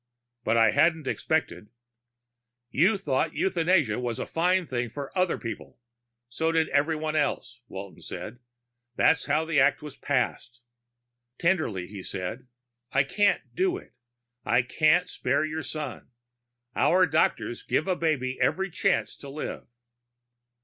But I hadn't expected " "You thought euthanasia was a fine thing for other people. So did everyone else," Walton said. "That's how the act was passed." Tenderly he said, "I can't do it. I can't spare your son. Our doctors give a baby every chance to live."